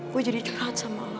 gue jadi cerah sama lo